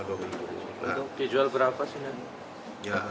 untuk dijual berapa sih